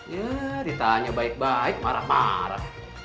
ya ditanya baik baik marah marah